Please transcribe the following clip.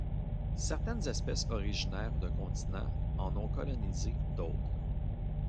Certaines espèces originaires d'un continent en ont colonisées d'autres.